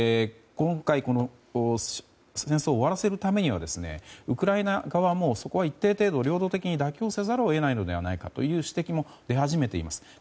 今回この戦争を終わらせるためにはウクライナ側もそこは一定程度、領土的に妥協せざるを得ないのではないかという指摘も出始めています。